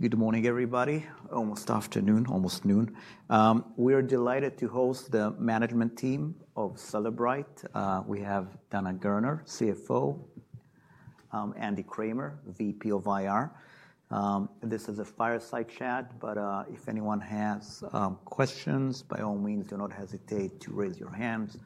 Good morning, everybody. Almost afternoon, almost noon. We are delighted to host the management team of Cellebrite. We have Dana Gerner, CFO; Andy Kramer, VP of IR. This is a fireside chat, but if anyone has questions, by all means, do not hesitate to raise your hands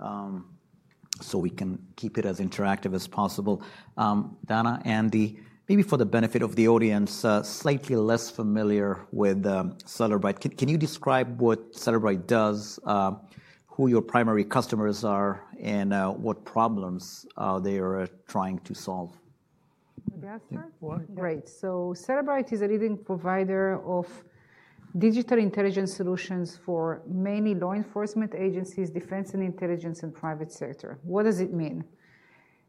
so we can keep it as interactive as possible. Dana, Andy, maybe for the benefit of the audience, slightly less familiar with Cellebrite. Can you describe what Cellebrite does, who your primary customers are, and what problems they are trying to solve? Great. Cellebrite is a leading provider of digital intelligence solutions for many law enforcement agencies, defense, intelligence, and private sector. What does it mean?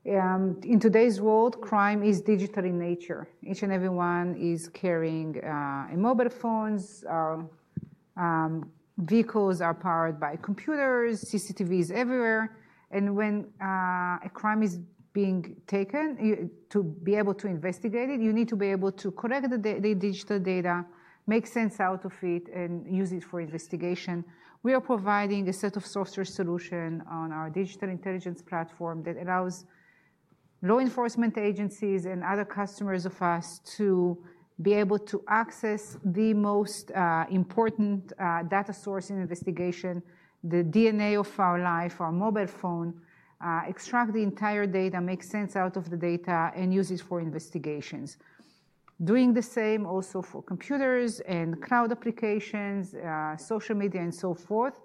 In today's world, crime is digital in nature. Each and everyone is carrying mobile phones. Vehicles are powered by computers. CCTV is everywhere. When a crime is being taken, to be able to investigate it, you need to be able to collect the digital data, make sense out of it, and use it for investigation. We are providing a set of software solutions on our digital intelligence platform that allows law enforcement agencies and other customers of us to be able to access the most important data source in investigation, the DNA of our life, our mobile phone, extract the entire data, make sense out of the data, and use it for investigations. Doing the same also for computers and cloud applications, social media, and so forth.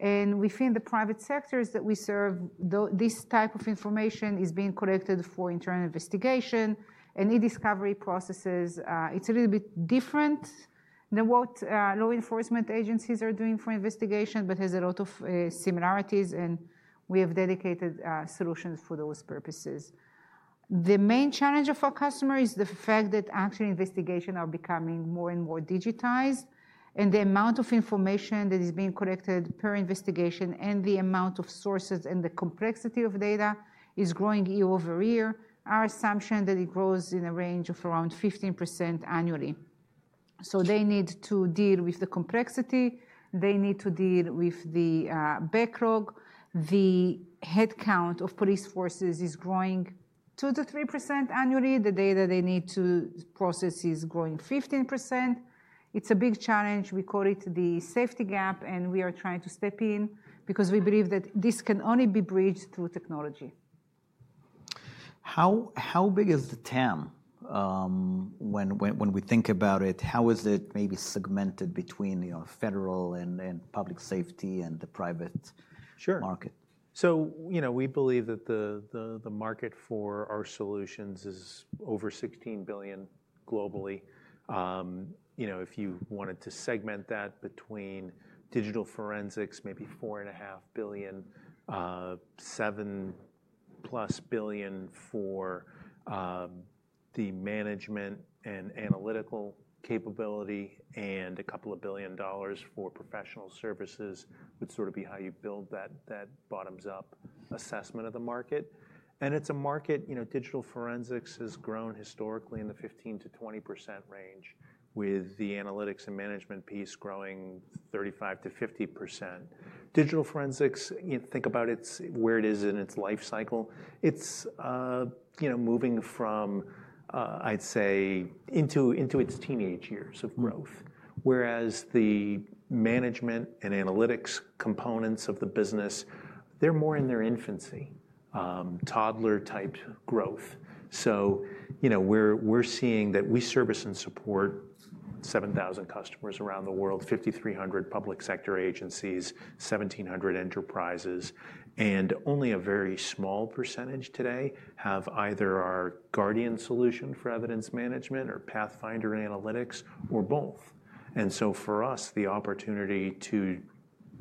Within the private sectors that we serve, this type of information is being collected for internal investigation and e-discovery processes. It is a little bit different than what law enforcement agencies are doing for investigation, but has a lot of similarities, and we have dedicated solutions for those purposes. The main challenge of our customer is the fact that actual investigations are becoming more and more digitized, and the amount of information that is being collected per investigation and the amount of sources and the complexity of data is growing year over year. Our assumption is that it grows in a range of around 15% annually. They need to deal with the complexity. They need to deal with the backlog. The headcount of police forces is growing 2%-3% annually. The data they need to process is growing 15%. It's a big challenge. We call it the safety gap, and we are trying to step in because we believe that this can only be bridged through technology. How big is the TAM? When we think about it, how is it maybe segmented between federal and public safety and the private market? Sure. We believe that the market for our solutions is over $16 billion globally. If you wanted to segment that between digital forensics, maybe $4.5 billion, $7+ billion for the management and analytical capability, and a couple of billion dollars for professional services would sort of be how you build that bottoms-up assessment of the market. It is a market digital forensics has grown historically in the 15%-20% range, with the analytics and management piece growing 35%-50%. Digital forensics, think about where it is in its life cycle. It is moving from, I'd say, into its teenage years of growth, whereas the management and analytics components of the business, they are more in their infancy, toddler-type growth. We're seeing that we service and support 7,000 customers around the world, 5,300 public sector agencies, 1,700 enterprises, and only a very small percentage today have either our Guardian solution for evidence management or Pathfinder analytics or both. For us, the opportunity to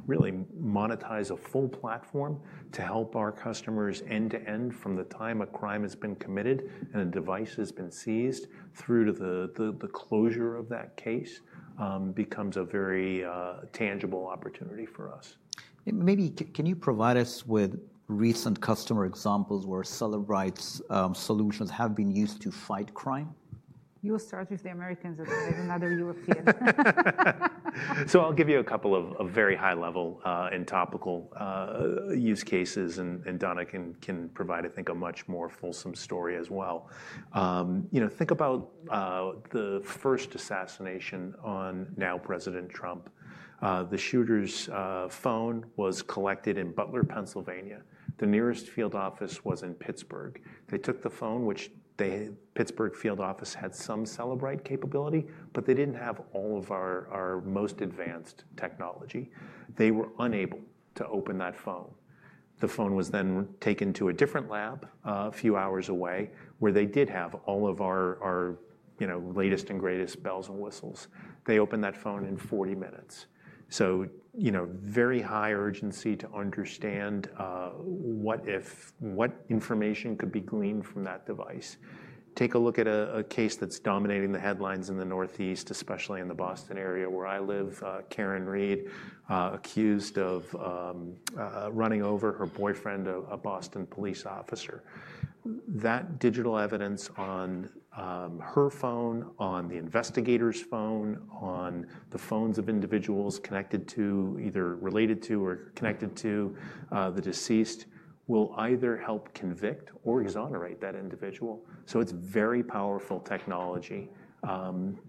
really monetize a full platform to help our customers end to end from the time a crime has been committed and a device has been seized through to the closure of that case becomes a very tangible opportunity for us. Maybe can you provide us with recent customer examples where Cellebrite's solutions have been used to fight crime? You will start with the Americans. There is another European. I'll give you a couple of very high-level and topical use cases, and Dana can provide, I think, a much more fulsome story as well. Think about the first assassination on now President Trump. The shooter's phone was collected in Butler, Pennsylvania. The nearest field office was in Pittsburgh. They took the phone, which the Pittsburgh field office had some Cellebrite capability, but they didn't have all of our most advanced technology. They were unable to open that phone. The phone was then taken to a different lab a few hours away, where they did have all of our latest and greatest bells and whistles. They opened that phone in 40 minutes. Very high urgency to understand what information could be gleaned from that device. Take a look at a case that's dominating the headlines in the Northeast, especially in the Boston area where I live. Karen Read, accused of running over her boyfriend, a Boston police officer. That digital evidence on her phone, on the investigator's phone, on the phones of individuals connected to, either related to or connected to the deceased, will either help convict or exonerate that individual. It is very powerful technology.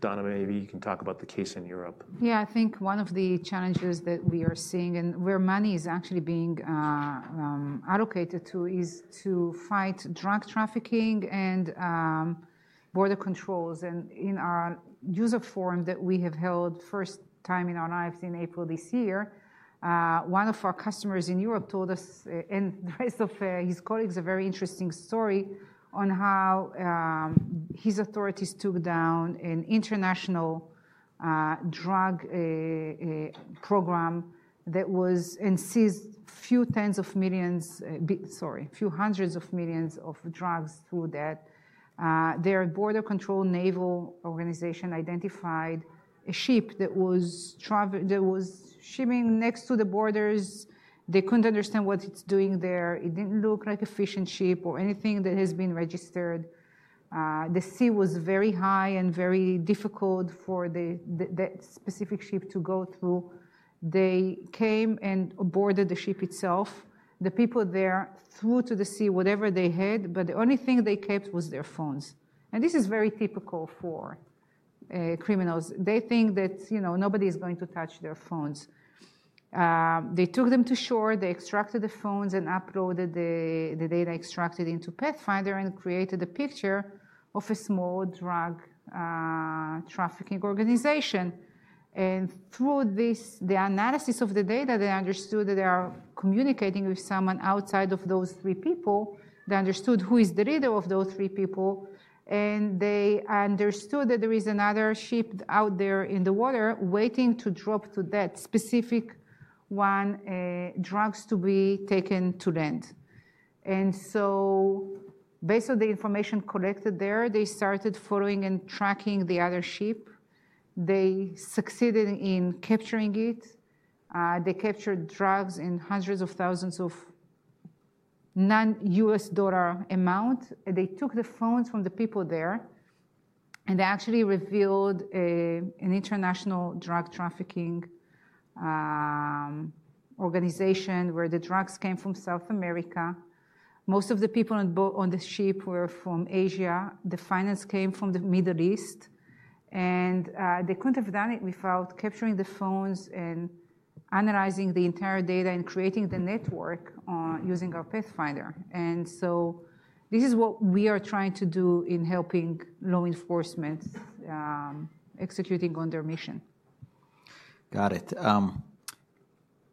Dana, maybe you can talk about the case in Europe. Yeah, I think one of the challenges that we are seeing and where money is actually being allocated to is to fight drug trafficking and border controls. In our user forum that we have held for the first time in our lives in April this year, one of our customers in Europe told us, and the rest of his colleagues, a very interesting story on how his authorities took down an international drug program that was and seized a few tens of millions, sorry, a few hundreds of millions of drugs through that. Their border control naval organization identified a ship that was shipping next to the borders. They could not understand what it was doing there. It did not look like a fishing ship or anything that has been registered. The sea was very high and very difficult for that specific ship to go through. They came and boarded the ship itself. The people there threw to the sea whatever they had, but the only thing they kept was their phones. This is very typical for criminals. They think that nobody is going to touch their phones. They took them to shore. They extracted the phones and uploaded the data extracted into Pathfinder and created a picture of a small drug trafficking organization. Through the analysis of the data, they understood that they are communicating with someone outside of those three people. They understood who is the leader of those three people. They understood that there is another ship out there in the water waiting to drop to that specific one drugs to be taken to land. Based on the information collected there, they started following and tracking the other ship. They succeeded in capturing it. They captured drugs in hundreds of thousands of non-US dollar amounts. They took the phones from the people there, and they actually revealed an international drug trafficking organization where the drugs came from South America. Most of the people on the ship were from Asia. The finance came from the Middle East. They could not have done it without capturing the phones and analyzing the entire data and creating the network using our Pathfinder. This is what we are trying to do in helping law enforcement executing on their mission. Got it.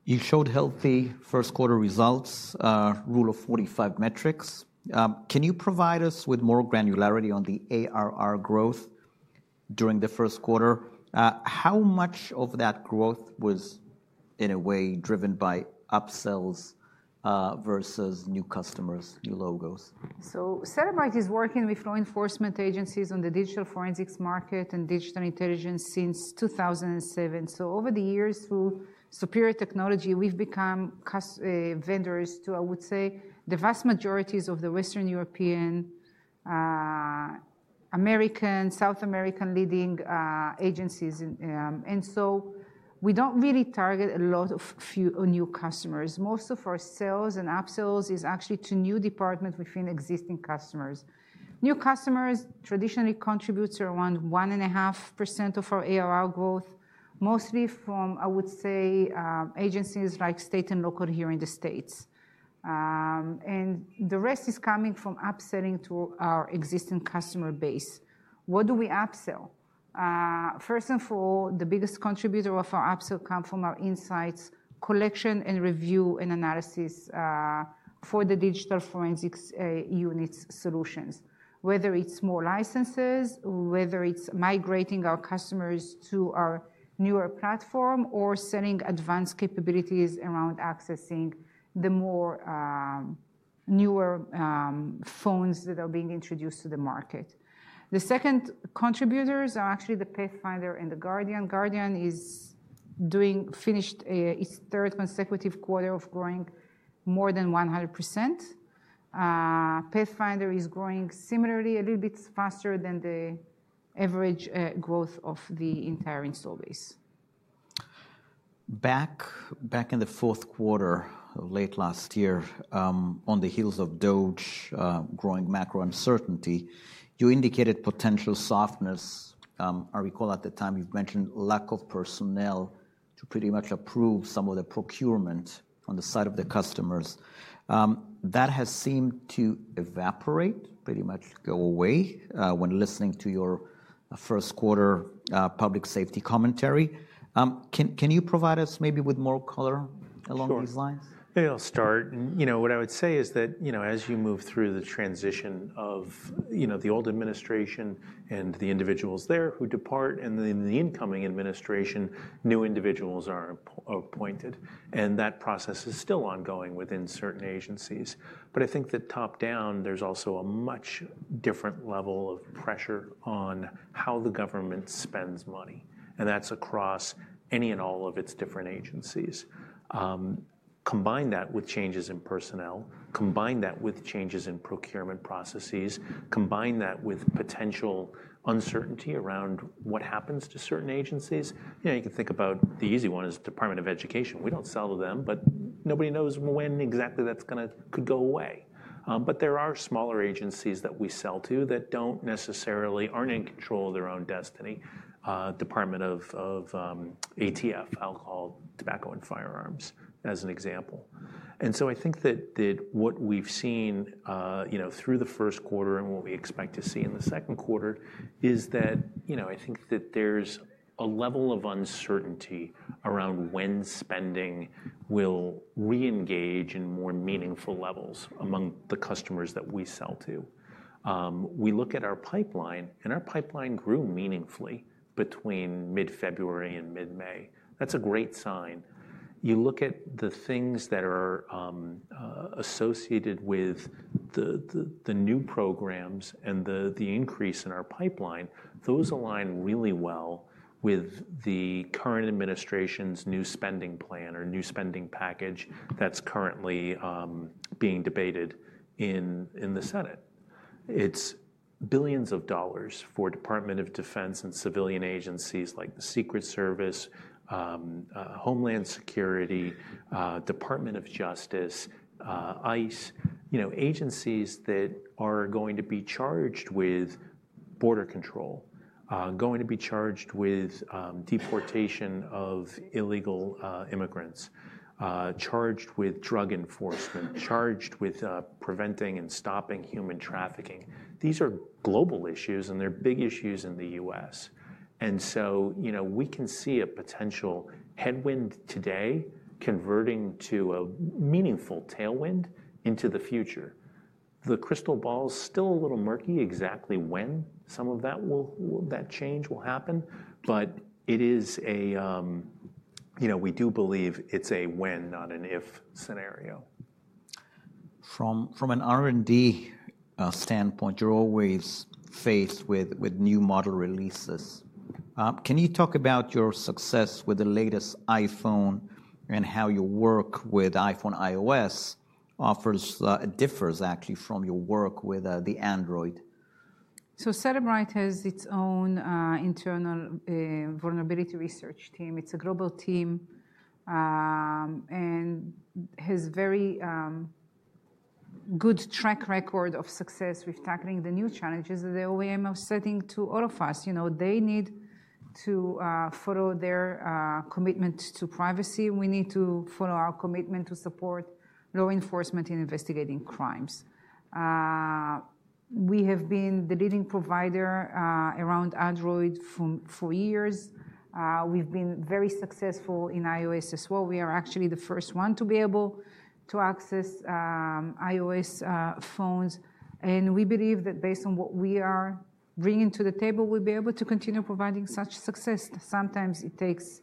You showed healthy first quarter results, rule of 45 metrics. Can you provide us with more granularity on the ARR growth during the first quarter? How much of that growth was, in a way, driven by upsells versus new customers, new logos? Cellebrite is working with law enforcement agencies on the digital forensics market and digital intelligence since 2007. Over the years, through superior technology, we have become vendors to, I would say, the vast majorities of the Western European, American, South American leading agencies. We do not really target a lot of new customers. Most of our sales and upsells is actually to new departments within existing customers. New customers traditionally contribute around 1.5% of our ARR growth, mostly from, I would say, agencies like state and local here in the States. The rest is coming from upselling to our existing customer base. What do we upsell? First and foremost, the biggest contributor of our upsell comes from our Insights, collection, and review, and analysis for the digital forensics unit's solutions, whether it's more licenses, whether it's migrating our customers to our newer platform, or selling advanced capabilities around accessing the more newer phones that are being introduced to the market. The second contributors are actually the Pathfinder and the Guardian. Guardian has finished its third consecutive quarter of growing more than 100%. Pathfinder is growing similarly, a little bit faster than the average growth of the entire install base. Back in the fourth quarter of late last year on the heels of DOGE growing macro uncertainty, you indicated potential softness. I recall at the time you mentioned lack of personnel to pretty much approve some of the procurement on the side of the customers. That has seemed to evaporate, pretty much go away when listening to your first quarter public safety commentary. Can you provide us maybe with more color along these lines? Sure. I'll start. What I would say is that as you move through the transition of the old administration and the individuals there who depart, and then in the incoming administration, new individuals are appointed. That process is still ongoing within certain agencies. I think that top down, there's also a much different level of pressure on how the government spends money. That's across any and all of its different agencies. Combine that with changes in personnel, combine that with changes in procurement processes, combine that with potential uncertainty around what happens to certain agencies. You can think about the easy one is the Department of Education. We don't sell to them, but nobody knows when exactly that could go away. There are smaller agencies that we sell to that don't necessarily aren't in control of their own destiny. Department of ATF, Alcohol, Tobacco, and Firearms, as an example. I think that what we've seen through the first quarter and what we expect to see in the second quarter is that I think that there's a level of uncertainty around when spending will re-engage in more meaningful levels among the customers that we sell to. We look at our pipeline, and our pipeline grew meaningfully between mid-February and mid-May. That's a great sign. You look at the things that are associated with the new programs and the increase in our pipeline, those align really well with the current administration's new spending plan or new spending package that's currently being debated in the Senate. It's billions of dollars for Department of Defense and civilian agencies like the Secret Service, Homeland Security, Department of Justice, ICE, agencies that are going to be charged with border control, going to be charged with deportation of illegal immigrants, charged with drug enforcement, charged with preventing and stopping human trafficking. These are global issues, and they're big issues in the U.S. We can see a potential headwind today converting to a meaningful tailwind into the future. The crystal ball is still a little murky exactly when some of that change will happen, but it is a we do believe it's a when, not an if scenario. From an R&D standpoint, you're always faced with new model releases. Can you talk about your success with the latest iPhone and how your work with iPhone iOS differs actually from your work with the Android? Cellebrite has its own internal vulnerability research team. It's a global team and has a very good track record of success with tackling the new challenges that they are now setting to all of us. They need to follow their commitment to privacy. We need to follow our commitment to support law enforcement in investigating crimes. We have been the leading provider around Android for years. We've been very successful in iOS as well. We are actually the first one to be able to access iOS phones. We believe that based on what we are bringing to the table, we'll be able to continue providing such success. Sometimes it takes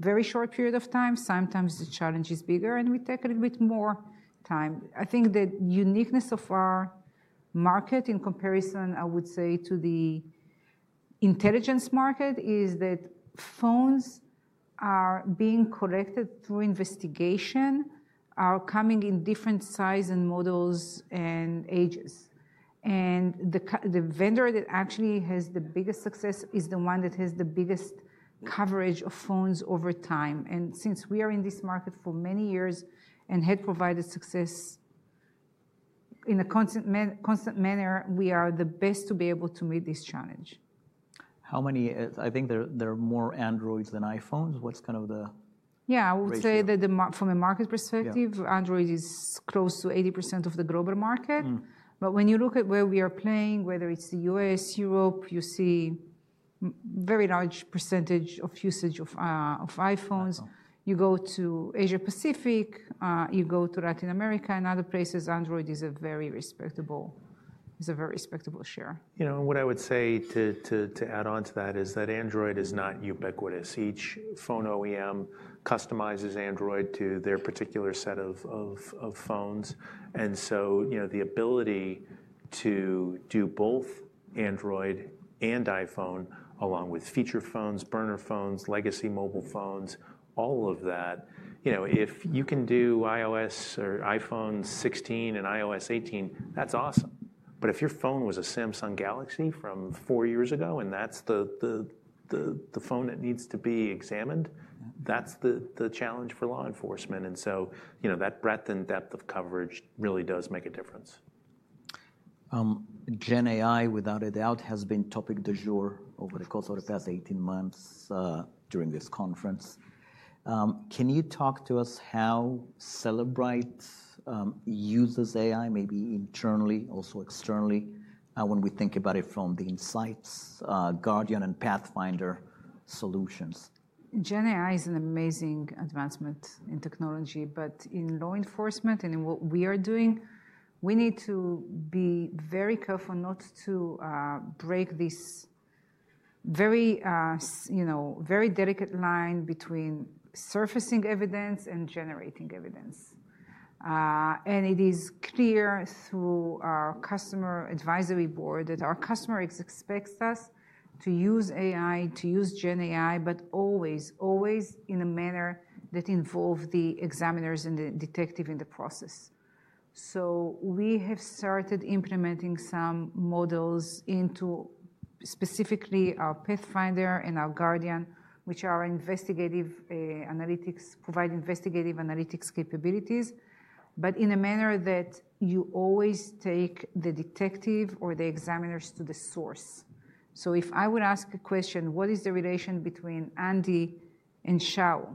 a very short period of time. Sometimes the challenge is bigger, and we take a little bit more time. I think the uniqueness of our market in comparison, I would say, to the intelligence market is that phones are being collected through investigation, are coming in different sizes and models and ages. The vendor that actually has the biggest success is the one that has the biggest coverage of phones over time. Since we are in this market for many years and have provided success in a constant manner, we are the best to be able to meet this challenge. How many? I think there are more Androids than iPhones. What's kind of the ratio? Yeah, I would say that from a market perspective, Android is close to 80% of the global market. When you look at where we are playing, whether it's the US, Europe, you see a very large percentage of usage of iPhones. You go to Asia Pacific, you go to Latin America and other places, Android is a very respectable share. You know, what I would say to add on to that is that Android is not ubiquitous. Each phone OEM customizes Android to their particular set of phones. The ability to do both Android and iPhone, along with feature phones, burner phones, legacy mobile phones, all of that, if you can do iOS or iPhone 16 and iOS 18, that's awesome. If your phone was a Samsung Galaxy from four years ago, and that's the phone that needs to be examined, that's the challenge for law enforcement. That breadth and depth of coverage really does make a difference. Gen AI, without a doubt, has been topic du jour over the course of the past 18 months during this conference. Can you talk to us how Cellebrite uses AI, maybe internally, also externally, when we think about it from the Insights, Guardian, and Pathfinder solutions? Gen AI is an amazing advancement in technology. In law enforcement and in what we are doing, we need to be very careful not to break this very delicate line between surfacing evidence and generating evidence. It is clear through our customer advisory board that our customer expects us to use AI, to use Gen AI, but always, always in a manner that involves the examiners and the detective in the process. We have started implementing some models into specifically our Pathfinder and our Guardian, which are investigative analytics, provide investigative analytics capabilities, but in a manner that you always take the detective or the examiners to the source. If I would ask a question, what is the relation between Andy and Shau?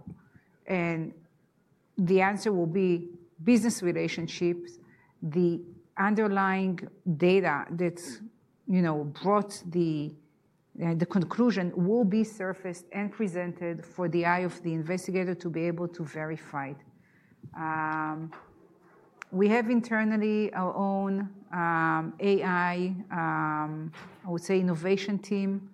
The answer will be business relationships. The underlying data that brought the conclusion will be surfaced and presented for the eye of the investigator to be able to verify it. We have internally our own AI, I would say, innovation team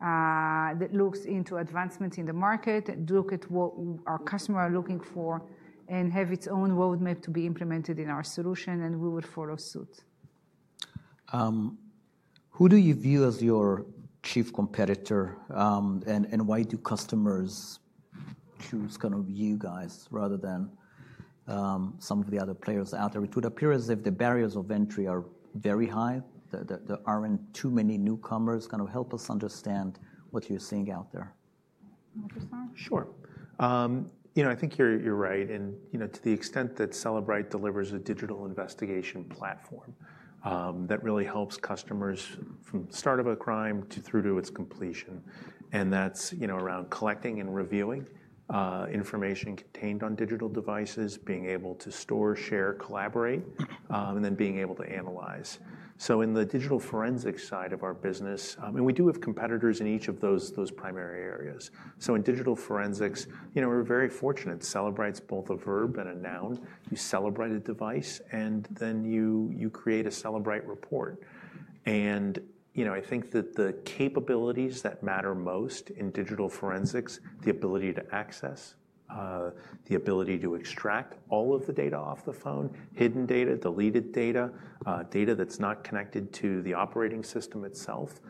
that looks into advancements in the market, look at what our customers are looking for, and have its own roadmap to be implemented in our solution. We will follow suit. Who do you view as your chief competitor? And why do customers choose kind of you guys rather than some of the other players out there? It would appear as if the barriers of entry are very high. There are not too many newcomers. Kind of help us understand what you are seeing out there. Sure. I think you're right. To the extent that Cellebrite delivers a digital investigation platform that really helps customers from start of a crime through to its completion, that's around collecting and reviewing information contained on digital devices, being able to store, share, collaborate, and then being able to analyze. In the digital forensics side of our business, we do have competitors in each of those primary areas. In digital forensics, we're very fortunate. Cellebrite's both a verb and a noun. You Cellebrite a device, and then you create a Cellebrite report. I think that the capabilities that matter most in digital forensics, the ability to access, the ability to extract all of the data off the phone, hidden data, deleted data, data that's not connected to the operating system itself,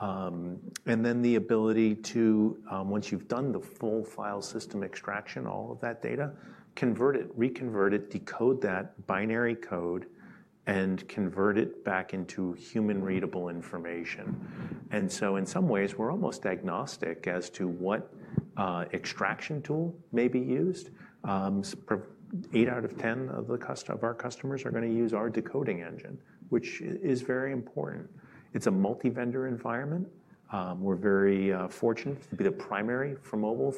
and then the ability to, once you've done the full file system extraction, all of that data, convert it, reconvert it, decode that binary code, and convert it back into human-readable information. In some ways, we're almost agnostic as to what extraction tool may be used. Eight out of ten of our customers are going to use our decoding engine, which is very important. It's a multi-vendor environment. We're very fortunate to be the primary for mobile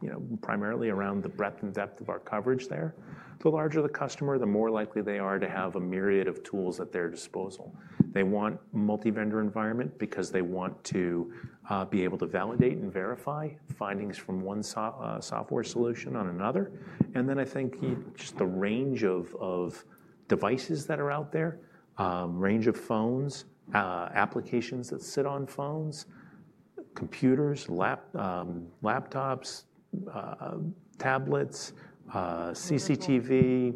for the primarily around the breadth and depth of our coverage there. The larger the customer, the more likely they are to have a myriad of tools at their disposal. They want a multi-vendor environment because they want to be able to validate and verify findings from one software solution on another. I think just the range of devices that are out there, range of phones, applications that sit on phones, computers, laptops, tablets, CCTV,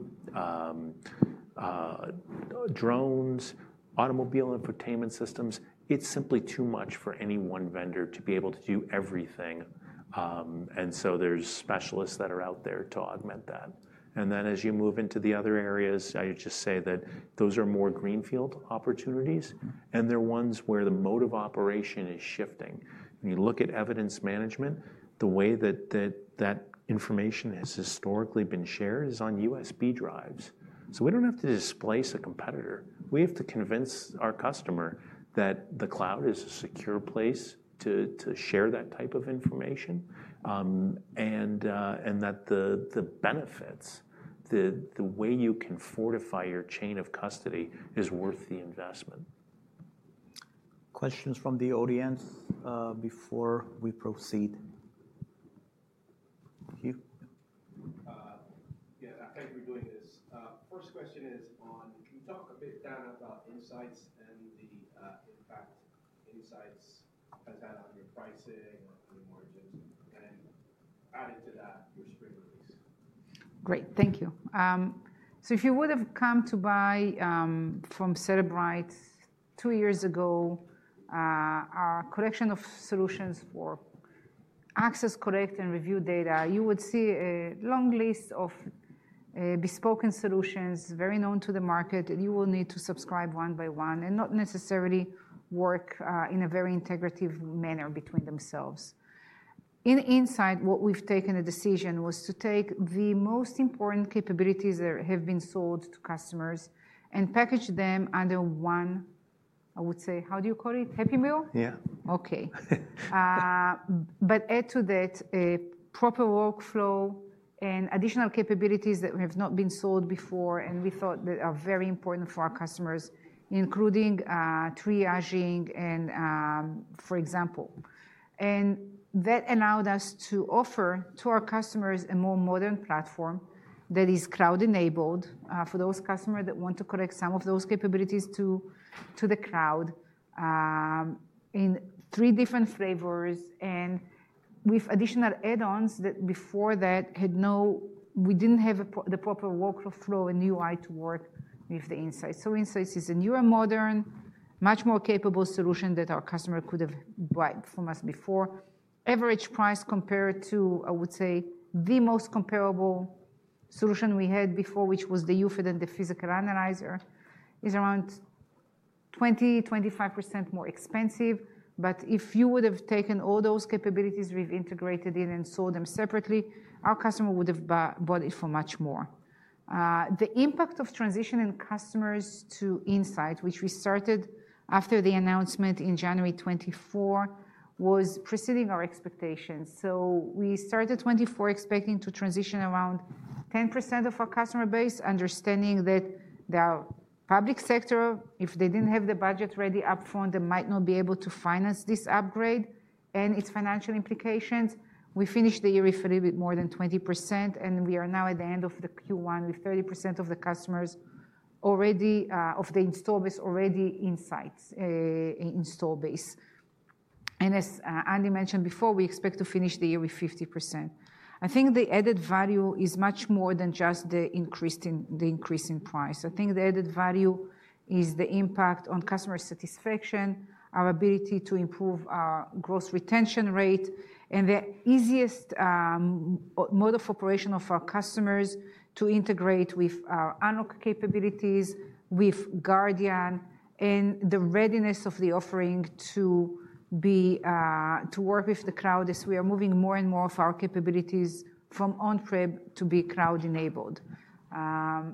drones, automobile infotainment systems. It's simply too much for any one vendor to be able to do everything. There are specialists that are out there to augment that. As you move into the other areas, I would just say that those are more greenfield opportunities. They're ones where the mode of operation is shifting. When you look at evidence management, the way that that information has historically been shared is on USB drives. We don't have to displace a competitor. We have to convince our customer that the cloud is a secure place to share that type of information and that the benefits, the way you can fortify your chain of custody, is worth the investment. Questions from the audience before we proceed? Thank you. Yeah, thank you for doing this. First question is on, can you talk a bit down about Insights and the impact Insights has had on your pricing or on your margins? And adding to that, your spring release. Great. Thank you. If you would have come to buy from Cellebrite two years ago, our collection of solutions for access, collect, and review data, you would see a long list of bespoke solutions very known to the market, and you would need to subscribe one by one and not necessarily work in a very integrative manner between themselves. Inside, what we have taken a decision was to take the most important capabilities that have been sold to customers and package them under one, I would say, how do you call it? Happy meal? Yeah. Okay. Add to that a proper workflow and additional capabilities that have not been sold before, and we thought that are very important for our customers, including triaging and, for example. That allowed us to offer to our customers a more modern platform that is cloud-enabled for those customers that want to connect some of those capabilities to the cloud in three different flavors and with additional add-ons that before that had no, we did not have the proper workflow and UI to work with the Insights. So Insights is a newer, modern, much more capable solution that our customer could have bought from us before. Average price compared to, I would say, the most comparable solution we had before, which was the UFED and the Physical Analyzer, is around 20%-25% more expensive. If you would have taken all those capabilities we've integrated in and sold them separately, our customer would have bought it for much more. The impact of transitioning customers to Insights, which we started after the announcement in January 2024, was preceding our expectations. We started 2024 expecting to transition around 10% of our customer base, understanding that the public sector, if they did not have the budget ready upfront, might not be able to finance this upgrade and its financial implications. We finished the year with a little bit more than 20%, and we are now at the end of Q1 with 30% of the customers already of the install base already Insights, install base. As Andy mentioned before, we expect to finish the year with 50%. I think the added value is much more than just the increase in price. I think the added value is the impact on customer satisfaction, our ability to improve our gross retention rate, and the easiest mode of operation of our customers to integrate with our unlock capabilities, with Guardian, and the readiness of the offering to work with the cloud as we are moving more and more of our capabilities from on-prem to be cloud-enabled.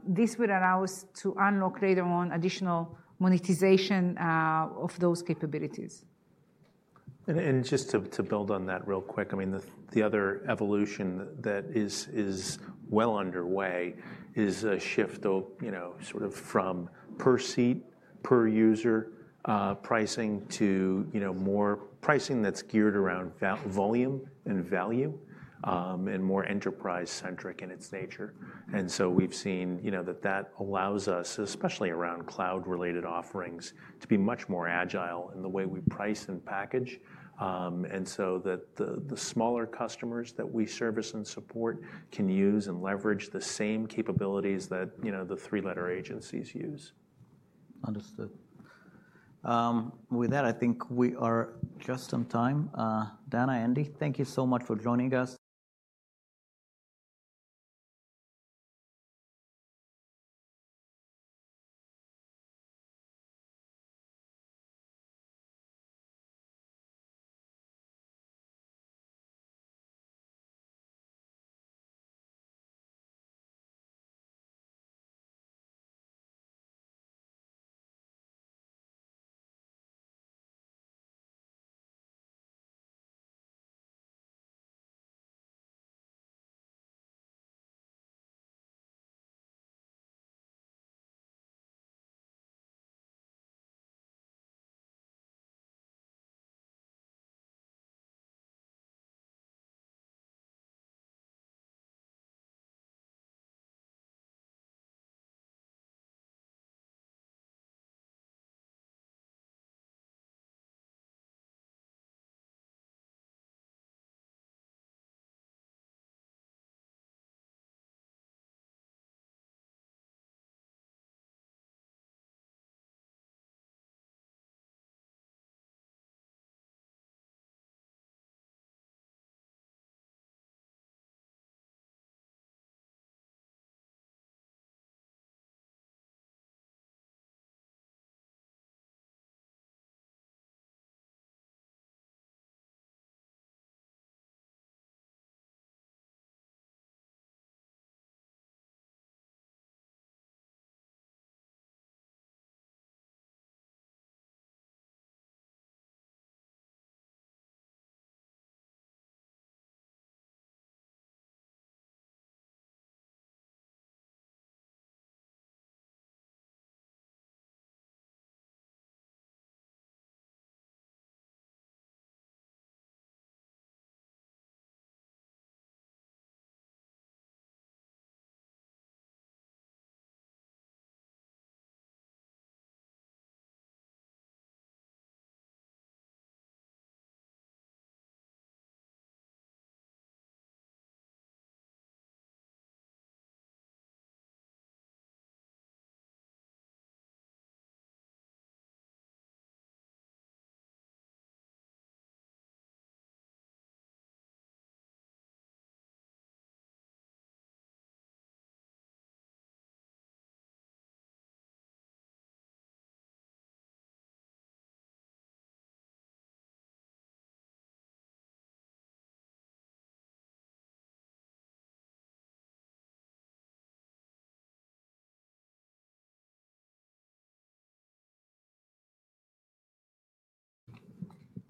This would allow us to unlock later on additional monetization of those capabilities. Just to build on that real quick, I mean, the other evolution that is well underway is a shift of sort of from per seat, per user pricing to more pricing that's geared around volume and value and more enterprise-centric in its nature. We have seen that that allows us, especially around cloud-related offerings, to be much more agile in the way we price and package, and so that the smaller customers that we service and support can use and leverage the same capabilities that the three-letter agencies use. Understood. With that, I think we are just on time. Dana, Andy, thank you so much for joining us.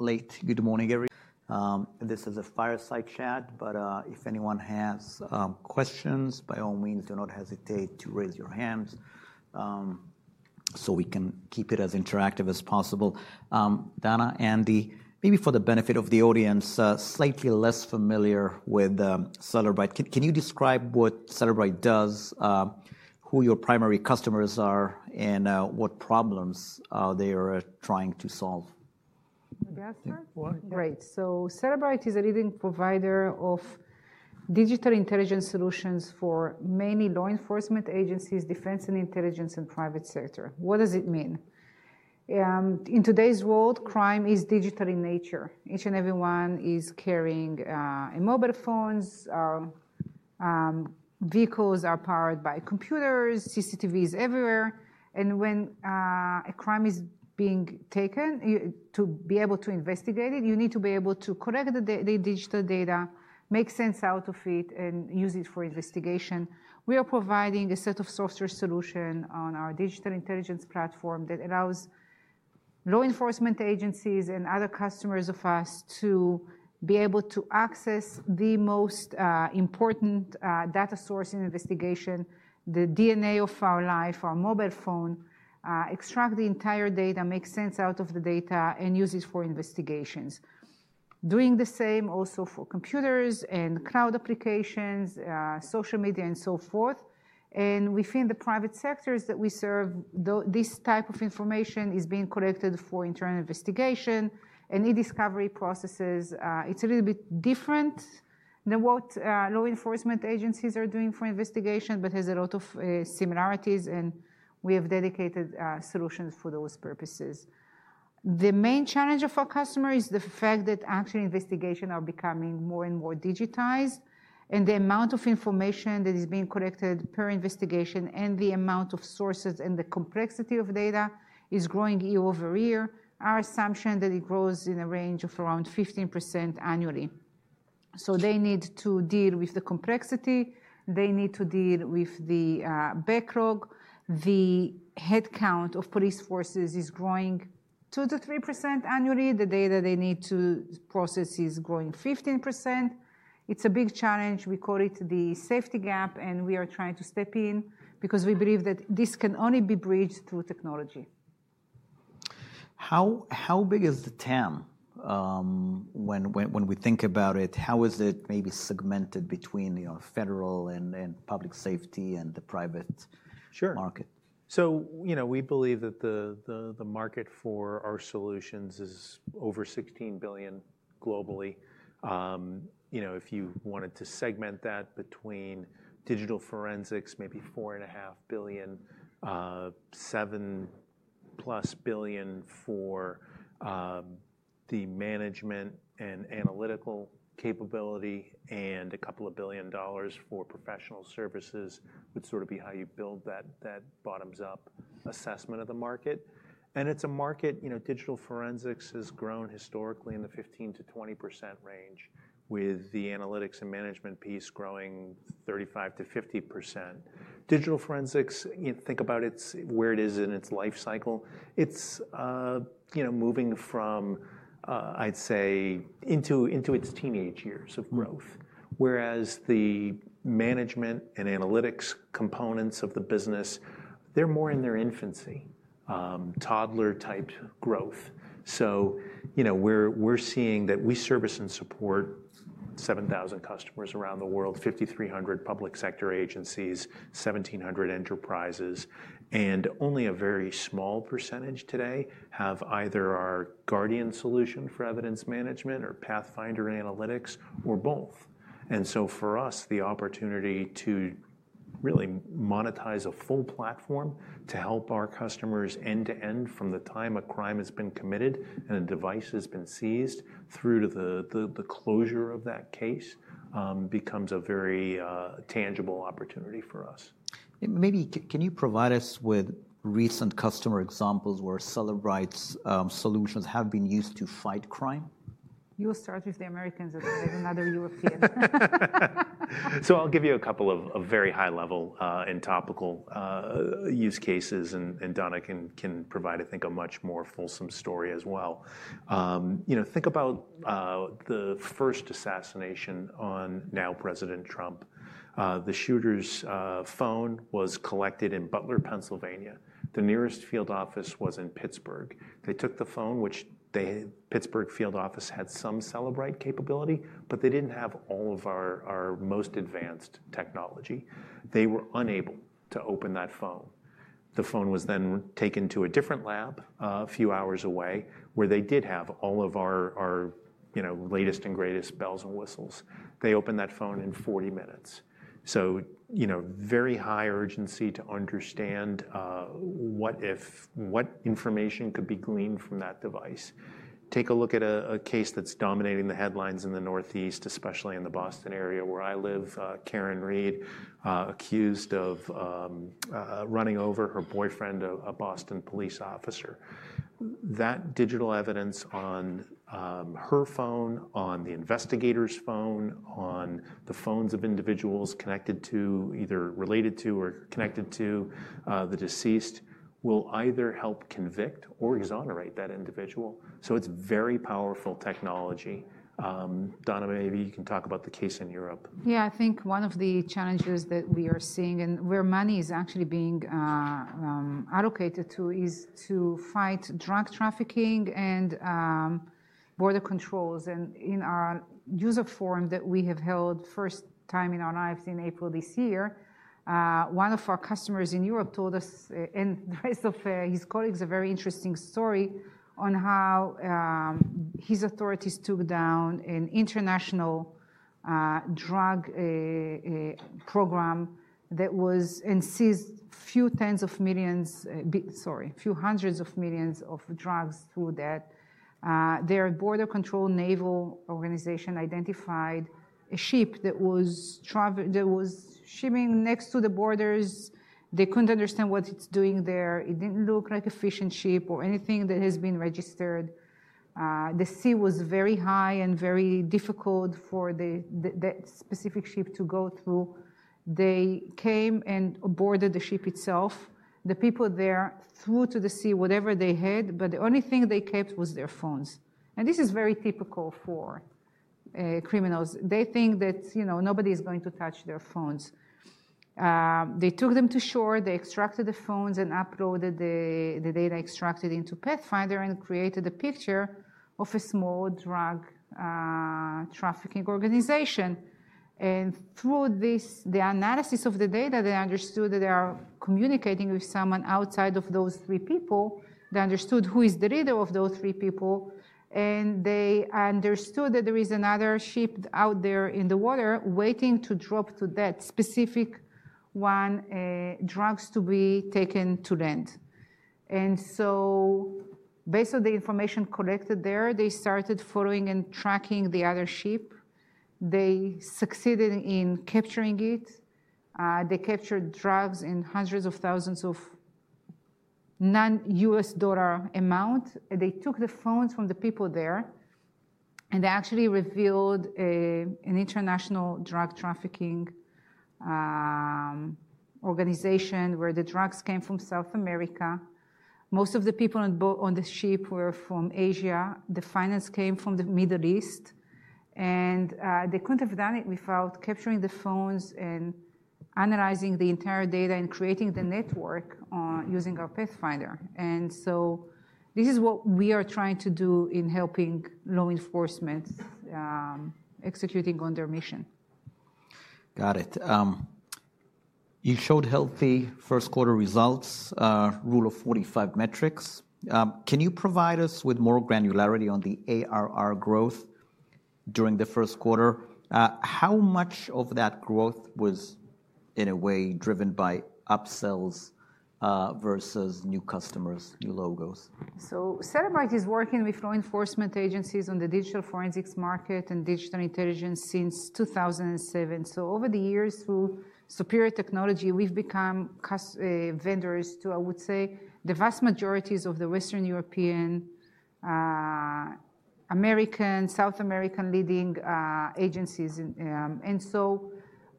Late. Good morning, everyone. This is a fireside chat, but if anyone has questions, by all means, do not hesitate to raise your hands so we can keep it as interactive as possible. Dana, Andy, maybe for the benefit of the audience, slightly less familiar with Cellebrite, can you describe what Cellebrite does, who your primary customers are, and what problems they are trying to solve? Great. Cellebrite is a leading provider of digital intelligence solutions for many law enforcement agencies, defense, and intelligence and private sector. What does it mean? In today's world, crime is digital in nature. Each and everyone is carrying mobile phones. Vehicles are powered by computers, CCTVs everywhere. When a crime is being taken, to be able to investigate it, you need to be able to collect the digital data, make sense out of it, and use it for investigation. We are providing a set of software solutions on our digital intelligence platform that allows law enforcement agencies and other customers of us to be able to access the most important data source in investigation, the DNA of our life, our mobile phone, extract the entire data, make sense out of the data, and use it for investigations. Doing the same also for computers and cloud applications, social media, and so forth. Within the private sectors that we serve, this type of information is being collected for internal investigation and e-discovery processes. It is a little bit different than what law enforcement agencies are doing for investigation, but has a lot of similarities, and we have dedicated solutions for those purposes. The main challenge of our customer is the fact that actual investigations are becoming more and more digitized, and the amount of information that is being collected per investigation and the amount of sources and the complexity of data is growing year over year. Our assumption is that it grows in a range of around 15% annually. They need to deal with the complexity. They need to deal with the backlog. The headcount of police forces is growing 2%-3% annually. The data they need to process is growing 15%. It's a big challenge. We call it the safety gap, and we are trying to step in because we believe that this can only be bridged through technology. How big is the TAM? When we think about it, how is it maybe segmented between federal and public safety and the private market? Sure. We believe that the market for our solutions is over $16 billion globally. If you wanted to segment that between digital forensics, maybe $4.5 billion, $7+ billion for the management and analytical capability, and a couple of billion dollars for professional services would sort of be how you build that bottoms-up assessment of the market. It is a market digital forensics has grown historically in the 15%-20% range, with the analytics and management piece growing 35%-50%. Digital forensics, think about where it is in its life cycle. It is moving from, I'd say, into its teenage years of growth, whereas the management and analytics components of the business, they are more in their infancy, toddler-type growth. We are seeing that we service and support 7,000 customers around the world, 5,300 public sector agencies, 1,700 enterprises, and only a very small percentage today have either our Guardian solution for evidence management or Pathfinder analytics or both. For us, the opportunity to really monetize a full platform to help our customers end to end from the time a crime has been committed and a device has been seized through to the closure of that case becomes a very tangible opportunity for us. Maybe can you provide us with recent customer examples where Cellebrite's solutions have been used to fight crime? You will start with the Americans and then another European. I'll give you a couple of very high-level and topical use cases, and Dana can provide, I think, a much more fulsome story as well. Think about the first assassination on now-President Trump. The shooter's phone was collected in Butler, Pennsylvania. The nearest field office was in Pittsburgh. They took the phone, which the Pittsburgh field office had some Cellebrite capability, but they didn't have all of our most advanced technology. They were unable to open that phone. The phone was then taken to a different lab a few hours away, where they did have all of our latest and greatest bells and whistles. They opened that phone in 40 minutes. Very high urgency to understand what information could be gleaned from that device. Take a look at a case that's dominating the headlines in the Northeast, especially in the Boston area where I live. Karen Read, accused of running over her boyfriend, a Boston police officer. That digital evidence on her phone, on the investigator's phone, on the phones of individuals connected to, either related to or connected to the deceased, will either help convict or exonerate that individual. It is very powerful technology. Dana, maybe you can talk about the case in Europe. Yeah, I think one of the challenges that we are seeing and where money is actually being allocated to is to fight drug trafficking and border controls. In our user forum that we have held for the first time in our lives in April this year, one of our customers in Europe told us and the rest of his colleagues a very interesting story on how his authorities took down an international drug program and seized a few tens of millions, sorry, a few hundreds of millions of drugs through that. Their border control naval organization identified a ship that was shimming next to the borders. They could not understand what it was doing there. It did not look like a fishing ship or anything that has been registered. The sea was very high and very difficult for that specific ship to go through. They came and boarded the ship itself. The people there threw to the sea whatever they had, but the only thing they kept was their phones. This is very typical for criminals. They think that nobody is going to touch their phones. They took them to shore. They extracted the phones and uploaded the data extracted into Pathfinder and created a picture of a small drug trafficking organization. Through the analysis of the data, they understood that they are communicating with someone outside of those three people. They understood who is the leader of those three people. They understood that there is another ship out there in the water waiting to drop to that specific one drugs to be taken to land. Based on the information collected there, they started following and tracking the other ship. They succeeded in capturing it. They captured drugs in hundreds of thousands of non-US dollar amounts. They took the phones from the people there, and they actually revealed an international drug trafficking organization where the drugs came from South America. Most of the people on the ship were from Asia. The finance came from the Middle East. They could not have done it without capturing the phones and analyzing the entire data and creating the network using our Pathfinder. This is what we are trying to do in helping law enforcement executing on their mission. Got it. You showed healthy first-quarter results, rule of 45 metrics. Can you provide us with more granularity on the ARR growth during the first quarter? How much of that growth was, in a way, driven by upsells versus new customers, new logos? Cellebrite is working with law enforcement agencies on the digital forensics market and digital intelligence since 2007. Over the years, through superior technology, we've become vendors to, I would say, the vast majorities of the Western European, American, South American leading agencies.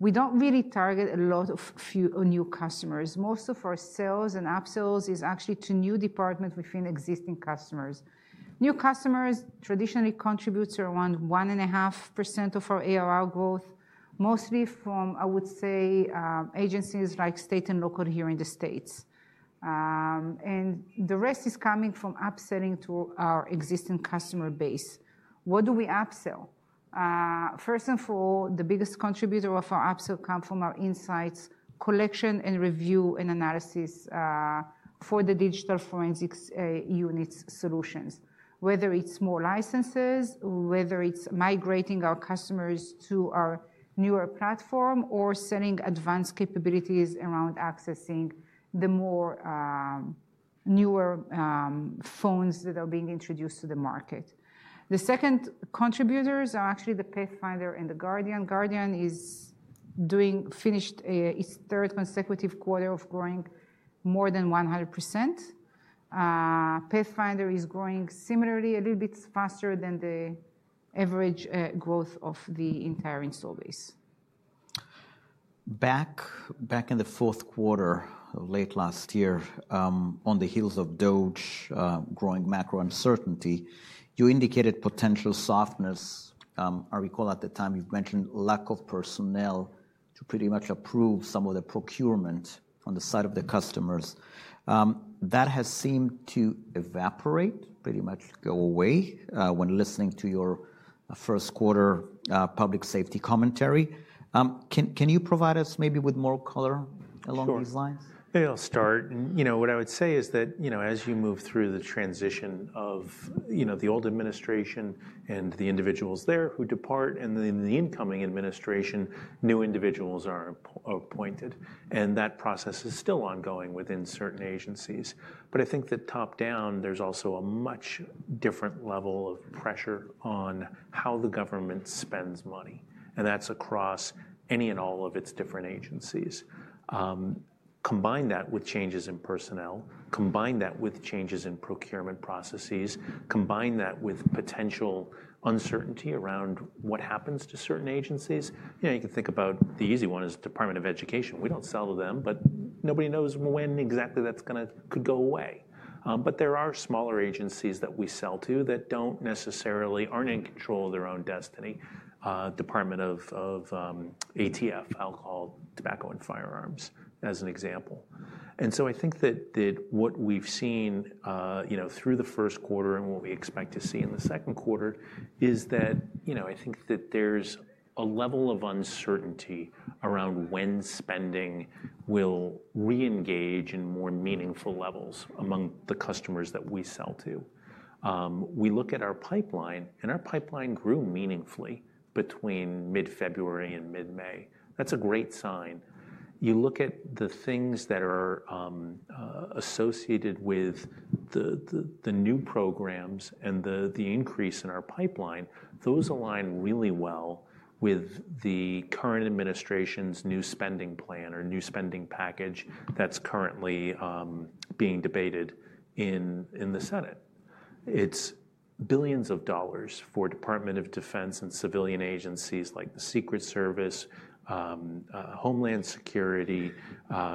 We do not really target a lot of new customers. Most of our sales and upsells is actually to new departments within existing customers. New customers traditionally contribute around 1.5% of our ARR growth, mostly from, I would say, agencies like state and local here in the States. The rest is coming from upselling to our existing customer base. What do we upsell? First and for all, the biggest contributor of our upsell comes from our Insights, collection, and review and analysis for the digital forensics unit's solutions, whether it's more licenses, whether it's migrating our customers to our newer platform, or selling advanced capabilities around accessing the more newer phones that are being introduced to the market. The second contributors are actually the Pathfinder and the Guardian. Guardian has finished its third consecutive quarter of growing more than 100%. Pathfinder is growing similarly, a little bit faster than the average growth of the entire install base. Back in the fourth quarter of late last year on the heels of DOGE growing macro uncertainty, you indicated potential softness. I recall at the time you mentioned lack of personnel to pretty much approve some of the procurement on the side of the customers. That has seemed to evaporate, pretty much go away when listening to your first-quarter public safety commentary. Can you provide us maybe with more color along these lines? I'll start. What I would say is that as you move through the transition of the old administration and the individuals there who depart, and then in the incoming administration, new individuals are appointed. That process is still ongoing within certain agencies. I think that top down, there's also a much different level of pressure on how the government spends money. That's across any and all of its different agencies. Combine that with changes in personnel, combine that with changes in procurement processes, combine that with potential uncertainty around what happens to certain agencies. You can think about the easy one is the Department of Education. We don't sell to them, but nobody knows when exactly that could go away. There are smaller agencies that we sell to that don't necessarily aren't in control of their own destiny. Department of ATF, Alcohol, Tobacco, and Firearms, as an example. I think that what we've seen through the first quarter and what we expect to see in the second quarter is that I think that there's a level of uncertainty around when spending will reengage in more meaningful levels among the customers that we sell to. We look at our pipeline, and our pipeline grew meaningfully between mid-February and mid-May. That's a great sign. You look at the things that are associated with the new programs and the increase in our pipeline, those align really well with the current administration's new spending plan or new spending package that's currently being debated in the Senate. It's billions of dollars for Department of Defense and civilian agencies like the Secret Service, Homeland Security,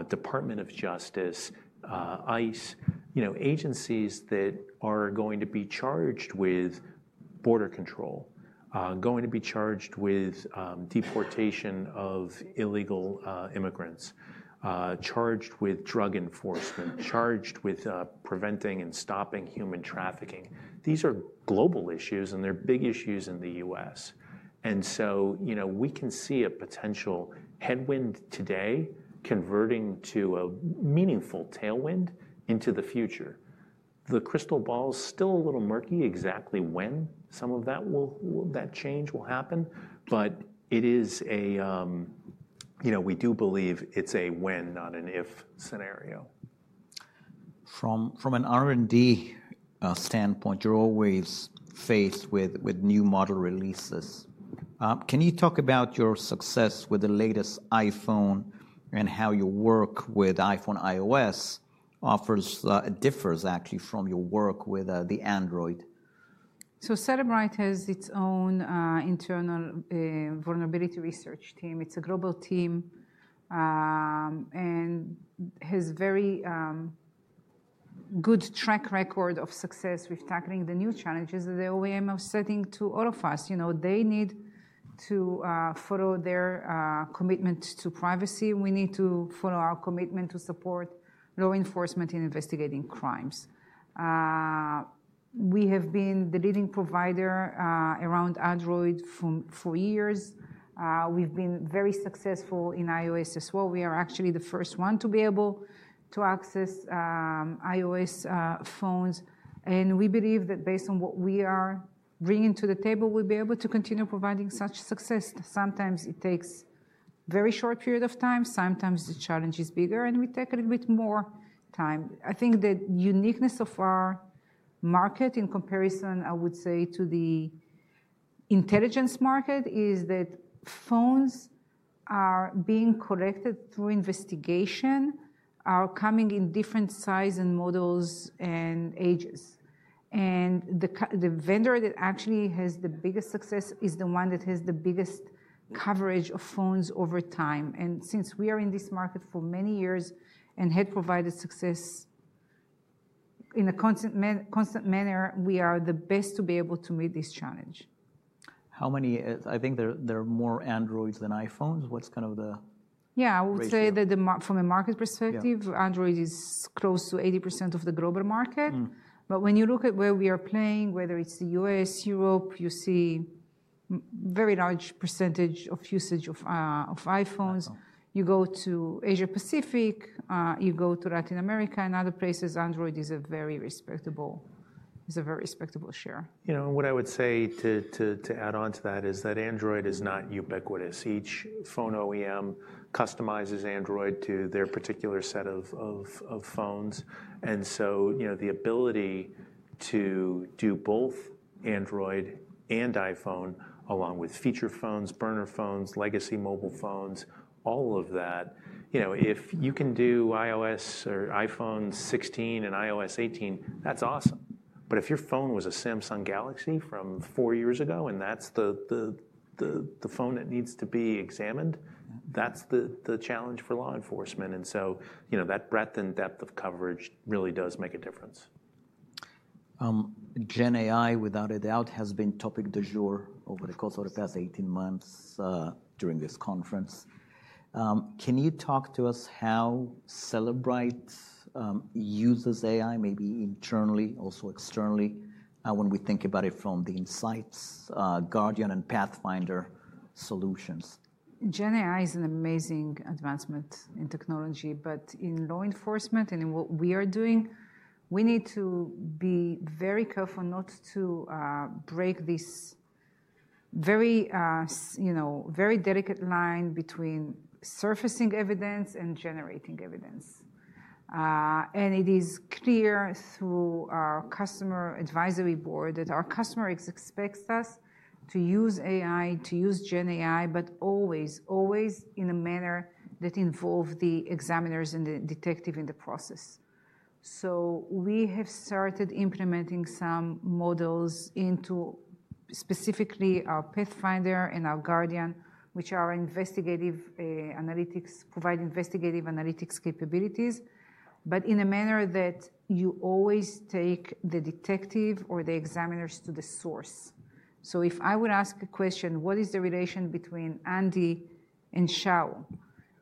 Department of Justice, ICE, agencies that are going to be charged with border control, going to be charged with deportation of illegal immigrants, charged with drug enforcement, charged with preventing and stopping human trafficking. These are global issues, and they're big issues in the U.S. We can see a potential headwind today converting to a meaningful tailwind into the future. The crystal ball is still a little murky exactly when some of that change will happen, but it is a we do believe it's a when, not an if scenario. From an R&D standpoint, you're always faced with new model releases. Can you talk about your success with the latest iPhone and how your work with iPhone iOS differs actually from your work with the Android? Cellebrite has its own internal vulnerability research team. It's a global team and has a very good track record of success with tackling the new challenges that the OEM are setting to all of us. They need to follow their commitment to privacy. We need to follow our commitment to support law enforcement in investigating crimes. We have been the leading provider around Android for years. We've been very successful in iOS as well. We are actually the first one to be able to access iOS phones. We believe that based on what we are bringing to the table, we'll be able to continue providing such success. Sometimes it takes a very short period of time. Sometimes the challenge is bigger, and we take a little bit more time. I think the uniqueness of our market in comparison, I would say, to the intelligence market is that phones are being collected through investigation, are coming in different sizes and models and ages. The vendor that actually has the biggest success is the one that has the biggest coverage of phones over time. Since we are in this market for many years and have provided success in a constant manner, we are the best to be able to meet this challenge. How many, I think there are more Androids than iPhones. What's kind of the ratio? Yeah, I would say that from a market perspective, Android is close to 80% of the global market. But when you look at where we are playing, whether it's the US, Europe, you see a very large percentage of usage of iPhones. You go to Asia Pacific, you go to Latin America and other places, Android is a very respectable share. You know, what I would say to add on to that is that Android is not ubiquitous. Each phone OEM customizes Android to their particular set of phones. The ability to do both Android and iPhone along with feature phones, burner phones, legacy mobile phones, all of that, if you can do iOS or iPhone 16 and iOS 18, that's awesome. If your phone was a Samsung Galaxy from four years ago and that's the phone that needs to be examined, that's the challenge for law enforcement. That breadth and depth of coverage really does make a difference. Gen AI, without a doubt, has been topic du jour over the course of the past 18 months during this conference. Can you talk to us how Cellebrite uses AI, maybe internally, also externally, when we think about it from the Insights, Guardian, and Pathfinder solutions? Gen AI is an amazing advancement in technology. In law enforcement and in what we are doing, we need to be very careful not to break this very delicate line between surfacing evidence and generating evidence. It is clear through our customer advisory board that our customer expects us to use AI, to use Gen AI, but always, always in a manner that involves the examiners and the detective in the process. We have started implementing some models into specifically our Pathfinder and our Guardian, which are investigative analytics, provide investigative analytics capabilities, but in a manner that you always take the detective or the examiners to the source. If I would ask a question, what is the relation between Andy and Shaw?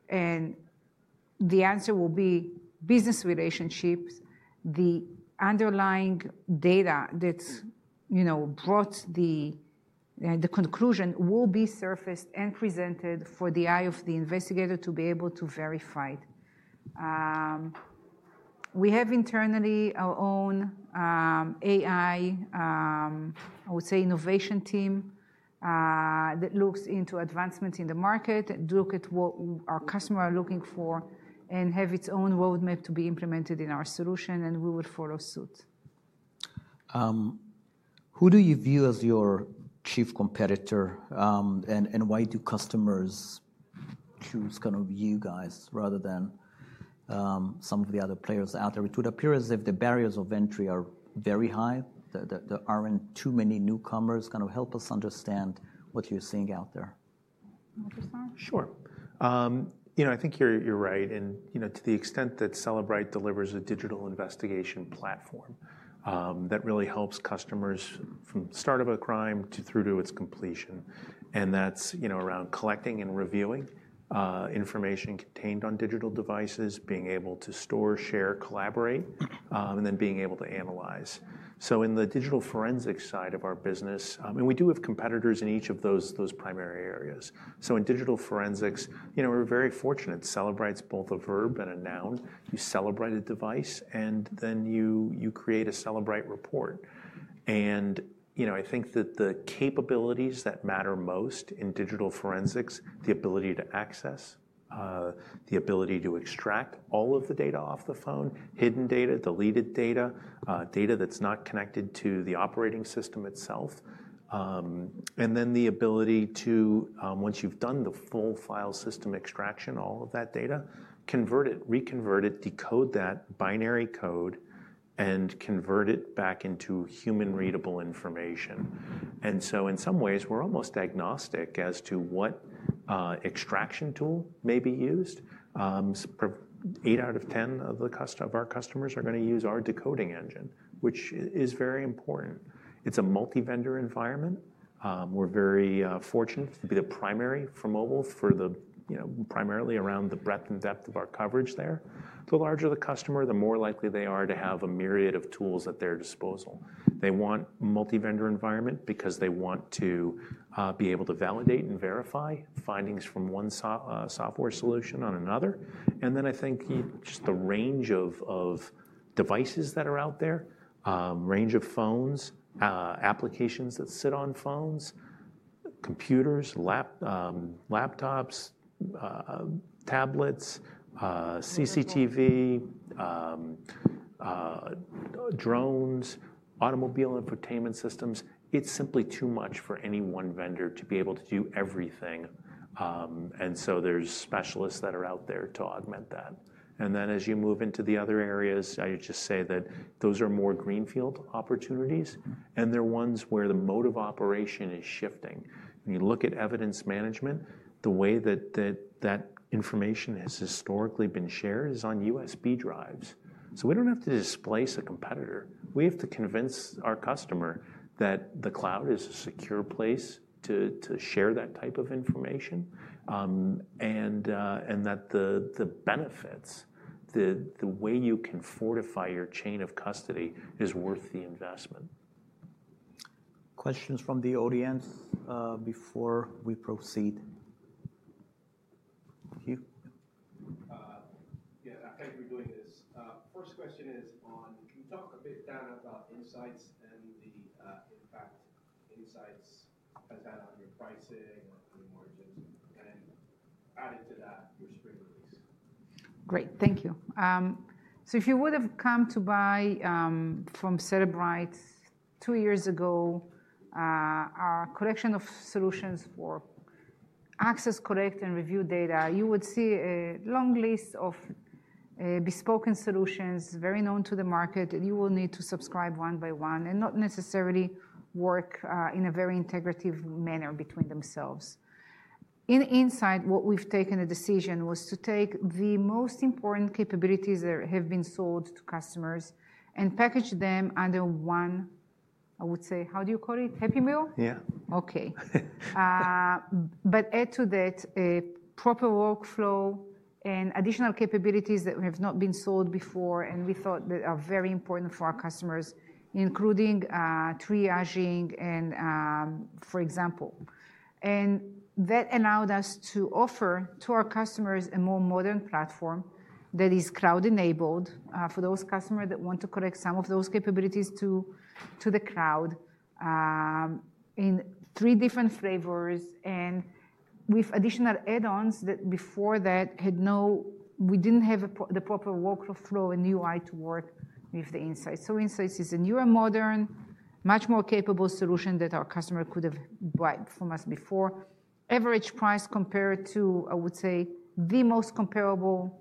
The answer will be business relationships. The underlying data that brought the conclusion will be surfaced and presented for the eye of the investigator to be able to verify it. We have internally our own AI, I would say, innovation team that looks into advancements in the market, look at what our customers are looking for, and have its own roadmap to be implemented in our solution, and we will follow suit. Who do you view as your chief competitor? And why do customers choose kind of you guys rather than some of the other players out there? It would appear as if the barriers of entry are very high. There are not too many newcomers. Kind of help us understand what you are seeing out there. Sure. I think you're right. To the extent that Cellebrite delivers a digital investigation platform that really helps customers from the start of a crime through to its completion, that's around collecting and reviewing information contained on digital devices, being able to store, share, collaborate, and then being able to analyze. In the digital forensics side of our business, we do have competitors in each of those primary areas. In digital forensics, we're very fortunate. Cellebrite's both a verb and a noun. You Cellebrite a device, and then you create a Cellebrite report. I think that the capabilities that matter most in digital forensics, the ability to access, the ability to extract all of the data off the phone, hidden data, deleted data, data that's not connected to the operating system itself, and then the ability to, once you've done the full file system extraction, all of that data, convert it, reconvert it, decode that binary code, and convert it back into human-readable information. In some ways, we're almost agnostic as to what extraction tool may be used. Eight out of ten of our customers are going to use our decoding engine, which is very important. It's a multi-vendor environment. We're very fortunate to be the primary for mobile for the primarily around the breadth and depth of our coverage there. The larger the customer, the more likely they are to have a myriad of tools at their disposal. They want a multi-vendor environment because they want to be able to validate and verify findings from one software solution on another. I think just the range of devices that are out there, range of phones, applications that sit on phones, computers, laptops, tablets, CCTV, drones, automobile infotainment systems, it's simply too much for any one vendor to be able to do everything. There are specialists that are out there to augment that. As you move into the other areas, I would just say that those are more greenfield opportunities. They're ones where the mode of operation is shifting. When you look at evidence management, the way that that information has historically been shared is on USB drives. We don't have to displace a competitor. We have to convince our customer that the cloud is a secure place to share that type of information and that the benefits, the way you can fortify your chain of custody, is worth the investment. Questions from the audience before we proceed? Thank you. Yeah, thank you for doing this. First question is on, can you talk a bit down about Insights and the impact Insights has had on your pricing or on your margins and adding to that your spring release? Great. Thank you. If you would have come to buy from Cellebrite two years ago, our collection of solutions for access, collect, and review data, you would see a long list of bespoke solutions very known to the market, and you would need to subscribe one by one and not necessarily work in a very integrative manner between themselves. Inside, what we have taken a decision was to take the most important capabilities that have been sold to customers and package them under one, I would say, how do you call it? Happy meal? Yeah. Okay. Add to that a proper workflow and additional capabilities that have not been sold before and we thought that are very important for our customers, including triaging and, for example. That allowed us to offer to our customers a more modern platform that is cloud-enabled for those customers that want to collect some of those capabilities to the cloud in three different flavors and with additional add-ons that before that had no, we did not have the proper workflow and UI to work with the Insights. Insights is a newer, modern, much more capable solution that our customer could have bought from us before. Average price compared to, I would say, the most comparable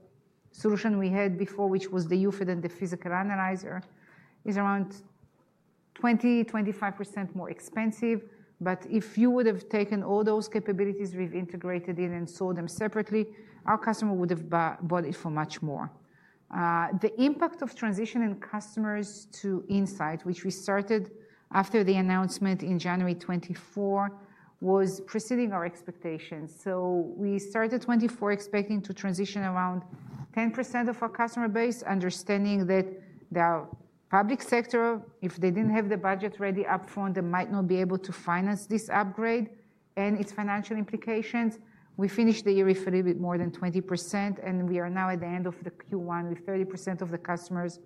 solution we had before, which was the UFED and the Physical Analyzer, is around 20%-25% more expensive. If you would have taken all those capabilities we've integrated in and sold them separately, our customer would have bought it for much more. The impact of transitioning customers to Insights, which we started after the announcement in January 2024, was preceding our expectations. We started 2024 expecting to transition around 10% of our customer base, understanding that the public sector, if they did not have the budget ready upfront, might not be able to finance this upgrade and its financial implications. We finished the year with a little bit more than 20%, and we are now at the end of Q1 with 30% of the customers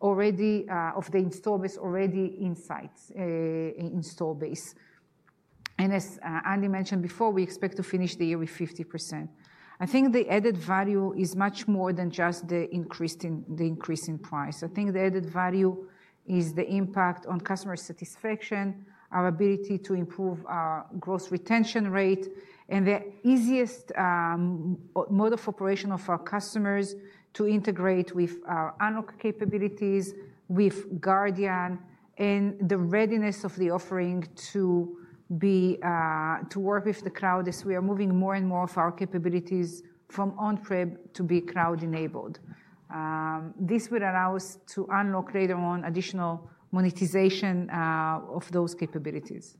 already of the install base already Insights, install base. As Andy mentioned before, we expect to finish the year with 50%. I think the added value is much more than just the increase in price. I think the added value is the impact on customer satisfaction, our ability to improve our gross retention rate, and the easiest mode of operation of our customers to integrate with our Anorc capabilities, with Guardian, and the readiness of the offering to work with the cloud as we are moving more and more of our capabilities from on-prem to be cloud-enabled. This would allow us to unlock later on additional monetization of those capabilities.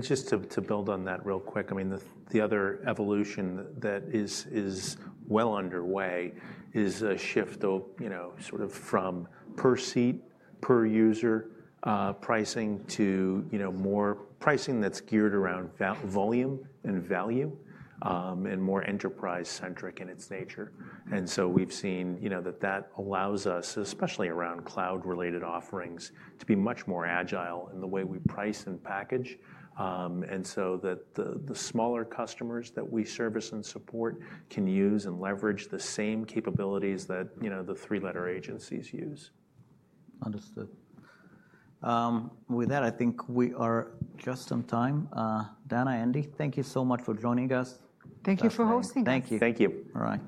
Just to build on that real quick, I mean, the other evolution that is well underway is a shift of sort of from per seat, per user pricing to more pricing that's geared around volume and value and more enterprise-centric in its nature. We have seen that that allows us, especially around cloud-related offerings, to be much more agile in the way we price and package, and so that the smaller customers that we service and support can use and leverage the same capabilities that the three-letter agencies use. Understood. With that, I think we are just on time. Dana, Andy, thank you so much for joining us. Thank you for hosting us. Thank you. All right.